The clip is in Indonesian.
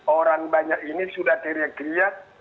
orang banyak ini sudah teriak teriak